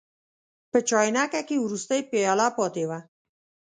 په چاینکه کې وروستۍ پیاله پاتې وه.